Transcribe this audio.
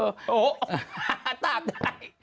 โอ้โฮตามได้